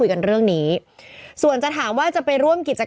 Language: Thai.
อ่าอ่าอ่าอ่าอ่า